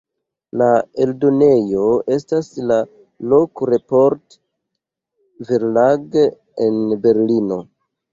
La eldonejo estas la "Lok-Report-Verlag" en Berlino.